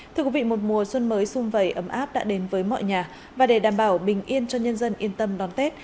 thưa quý vị một mùa xuân mới xung vầy ấm áp đã đến với mọi nhà và để đảm bảo bình yên cho nhân dân yên tâm đón tết